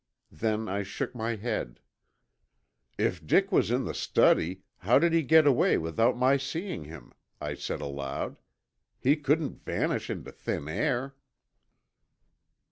Then I shook my head. "If Dick was in the study how did he get away without my seeing him?" I said aloud. "He couldn't vanish into thin air."